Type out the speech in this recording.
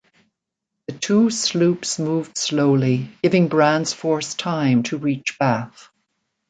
The two sloops moved slowly, giving Brand's force time to reach Bath.